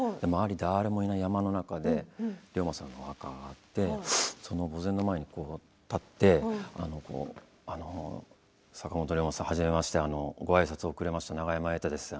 誰もいない山の中で龍馬さんのお墓があって墓前に立って坂本龍馬さんはじめましてごあいさつ遅れました永山瑛太です